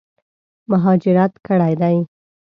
مهاجرت کړی دی.